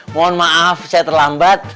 mohon maaf saya terlambat